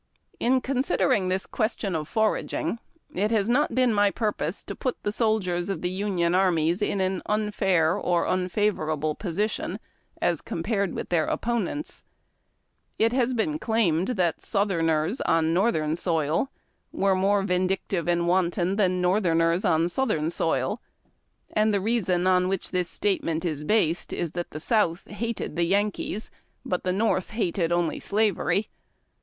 In considering tliis question of foraging, it has not been my purpose to put the soldiers of the Union armies in an unfair or unfavorable position as compared with their oppo nents. It has been claimed tliat Southerners on northern soil were more vindictive and wanton than Northerners on southern soil ; and the reason on which this statement is based is that the South hated the Yankees, but the North hated oidy slavery.